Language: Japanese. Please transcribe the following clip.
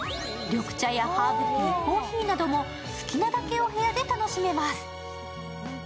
緑茶やハーブティー、コーヒーなども好きなだけお部屋で楽しめます。